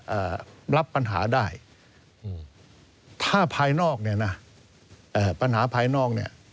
เอ่อรับปัญหาได้อืมถ้าภายนอกเนี่ยนะเอ่อปัญหาภายนอกเนี้ย